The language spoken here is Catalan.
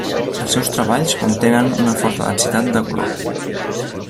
Els seus treballs contenen una forta densitat de color.